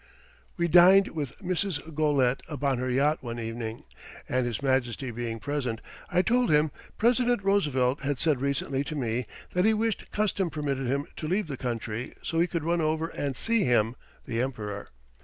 We dined with Mrs. Goelet upon her yacht, one evening, and His Majesty being present, I told him President Roosevelt had said recently to me that he wished custom permitted him to leave the country so he could run over and see him (the Emperor).